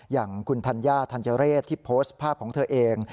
อย่างคุณธัญญาธัญเรศที่โพสต์ภาพของเธอเอง